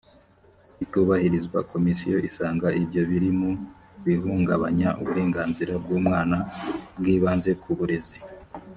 itubahirizwa komisiyo isanga ibyo biri mu bihungabanya uburenganzira bw umwana bw ibanze ku burezi